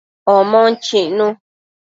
Omon chicnu